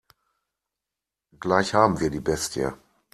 Gleich haben wir die Bestie.